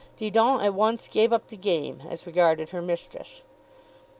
Didon at once gave up the game, as regarded her mistress.